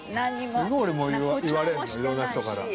すごい俺も言われるの色んな人から。